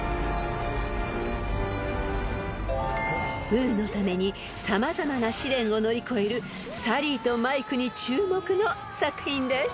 ［ブーのために様々な試練を乗り越えるサリーとマイクに注目の作品です］